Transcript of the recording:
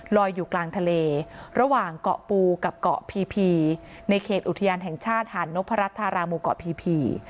อยู่กลางทะเลระหว่างเกาะปูกับเกาะพีพีในเขตอุทยานแห่งชาติหาดนพรัชธาราหมู่เกาะพี